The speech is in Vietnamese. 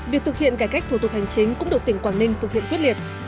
việc thực hiện cải cách thủ tục hành chính cũng được tỉnh quảng ninh thực hiện quyết liệt